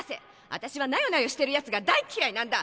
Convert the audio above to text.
私はなよなよしてるやつが大嫌いなんだ！